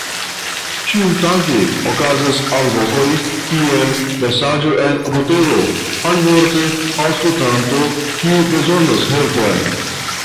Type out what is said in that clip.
Ĉiutage okazas alvokoj kiel "Mesaĝo en botelo", alivorte aŭskultanto kiu bezonas helpon.